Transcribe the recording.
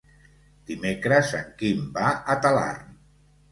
Dimecres en Quim va a Talarn.